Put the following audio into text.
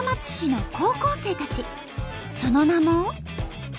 その名も。